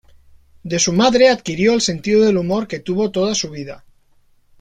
De su madre adquirió el sentido del humor que tuvo toda su vida.